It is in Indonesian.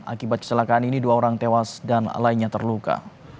akibat kecelakaan ini dua orang tewas dan lainnya terluka